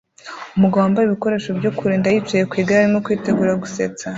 umugabo wambaye ibikoresho byo kurinda yicaye ku igare arimo kwitegura gusetsa